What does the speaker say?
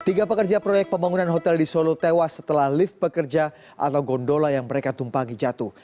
tiga pekerja proyek pembangunan hotel di solo tewas setelah lift pekerja atau gondola yang mereka tumpangi jatuh